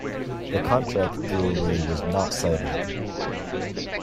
The contract brewery was not cited.